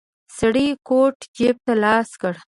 سړی د کوټ جيب ته لاس کړ.